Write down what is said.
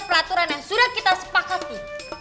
peraturan yang sudah kita sepakati